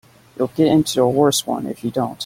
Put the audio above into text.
You'll get into a worse one if you don't.